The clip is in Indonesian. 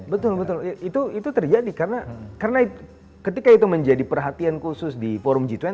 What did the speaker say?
betul betul itu terjadi karena ketika itu menjadi perhatian khusus di forum g dua puluh